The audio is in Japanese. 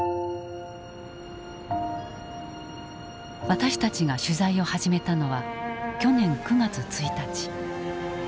私たちが取材を始めたのは去年９月１日。